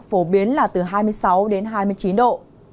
phổ biến là từ hai mươi sáu đến hai mươi chín độ